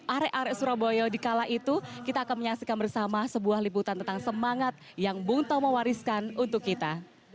arek arek surabaya dikala itu kita akan menyaksikan bersama sebuah liputan tentang semangat yang bung tomo wariskan untuk kita